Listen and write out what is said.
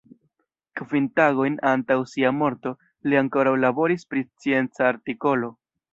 Kvin tagojn antaŭ sia morto, li ankoraŭ laboris pri scienca artikolo.